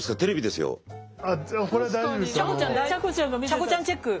ちゃこちゃんチェック。